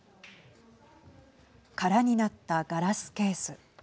空になったガラスケース。